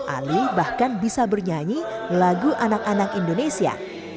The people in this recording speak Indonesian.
ali bahkan bisa bernyanyi lagu anak anak indonesia